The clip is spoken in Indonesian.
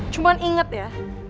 cuman inget ya